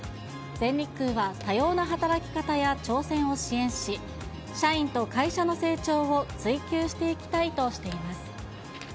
全日空は、多様な働き方や挑戦を支援し、社員と会社の成長を追求していきたいとしています。